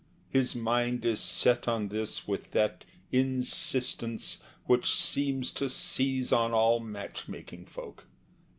His mind is set on this with that insistence Which seems to seize on all match making folk.